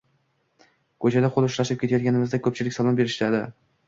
Koʻchada qoʻl ushlashib ketayotganimizda koʻpchilik salom berishadi